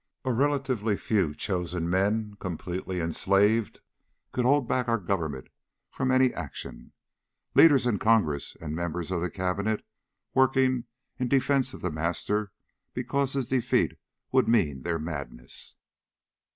A relatively few chosen men, completely enslaved, could hold back our Government from any action. Leaders in Congress, and members of the Cabinet, working, in defense of The Master because his defeat would mean their madness....